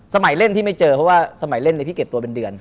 เล่นพี่ไม่เจอเพราะว่าสมัยเล่นพี่เก็บตัวเป็นเดือน